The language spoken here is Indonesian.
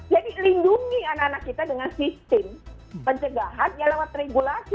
jadi lindungi anak anak kita dengan sistem pencegahan yang lewat regulasi